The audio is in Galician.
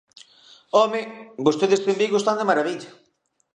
¡Home!, vostedes en Vigo están de marabilla.